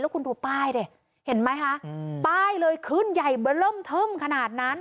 แล้วคุณดูป้ายเต่เห็นไหมคะอืมป้ายเลยขึ้นใหญ่บร่ำทํมขนาดนั้น